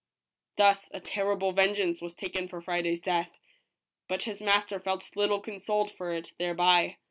Thus a terrible vengeance was taken for Friday's death, but his master felt little consoled for it thereby.